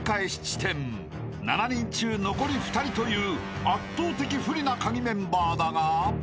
［７人中残り２人という圧倒的不利なカギメンバーだが］